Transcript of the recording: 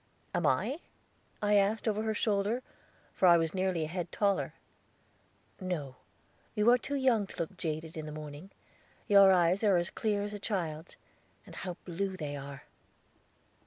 "Am I?" I asked over her shoulder, for I was nearly a head taller. "No; you are too young to look jaded in the morning. Your eyes are as clear as a child's; and how blue they are."